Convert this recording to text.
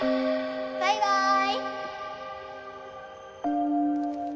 バイバーイ。